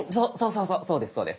そうそうそうですそうです。